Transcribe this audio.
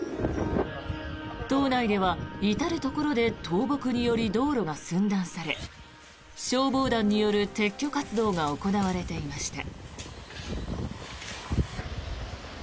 島内では至るところで倒木により道路が寸断され消防団による撤去活動が行われていました。